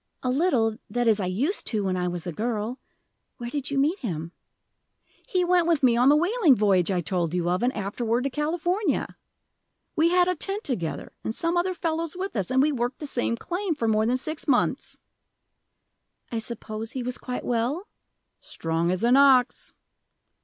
"A little that is, I used to, when I was a girl. Where did you meet him?" "He went with me on the whaling voyage I told you of, and afterward to California. We had a tent together, and some other fellows with us, and we worked the same claim for more than six months." "I suppose he was quite well?" "Strong as an ox."